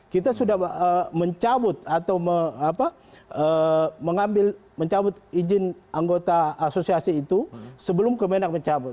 kita sudah mencabut atau mengambil mencabut izin anggota asosiasi itu sebelum kemenang mencabut